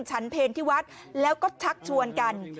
ฉันเพลที่วัดแล้วก็ชักชวนกัน